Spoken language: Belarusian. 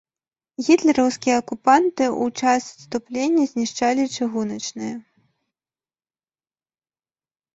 Гітлераўскія акупанты ў час адступлення знішчалі чыгуначнае.